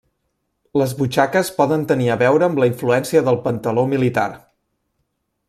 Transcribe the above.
Les butxaques poden tenir a veure amb la influència del pantaló militar.